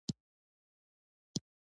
چار مغز د افغانستان د ځایي اقتصادونو بنسټ دی.